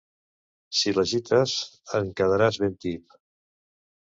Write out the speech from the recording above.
Si l'agites en quedaràs ben tip.